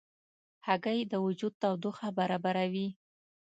هګۍ د وجود تودوخه برابروي.